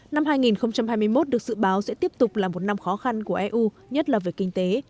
năm hai nghìn hai mươi một được dự báo sẽ tiếp tục là một năm khó khăn của eu nhất là về kinh tế